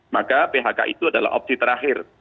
maka phk itu adalah opsi terakhir